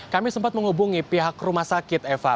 kami sempat menghubungi pihak rumah sakit eva